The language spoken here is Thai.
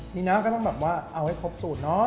ที่นี้ก็ต้องลองว่าเอาให้ครบสูดเนอะ